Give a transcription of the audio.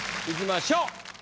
いきましょう。